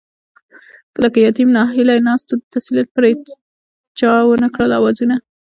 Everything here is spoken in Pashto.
لکه يتيم ناهيلی ناست وو، د تسليت پرې چا ونکړل آوازونه